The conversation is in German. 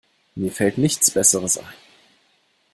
Mir fällt nichts besseres ein.